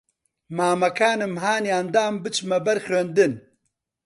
مامەکانم ھانیان دام بچمە بەر خوێندن